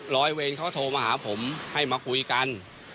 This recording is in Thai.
ร้อยเวรเขาโทรมาหาผมให้มาคุยกัน